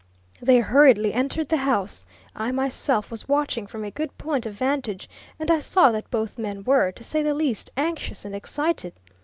They hurriedly entered the house I myself was watching from a good point of vantage, and I saw that both men were, to say the least, anxious and excited.